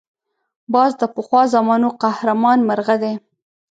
باز د پخوا زمانو قهرمان مرغه دی